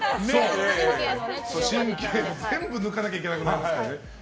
神経、全部抜かなきゃいけなくなりますから。